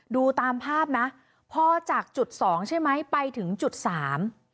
ดูตามภาพนะพอจากจุดสองใช่ไหมไปถึงจุดสาม